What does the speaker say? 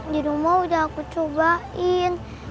di rumah udah aku cobain